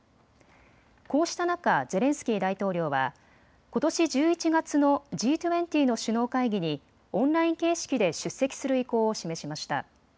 こうした中、ゼレンスキー大統領はことし１１月のＧ２０の首脳会議にオンライン形式で出席する意向を示しました。